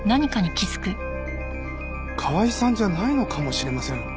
川井さんじゃないのかもしれません。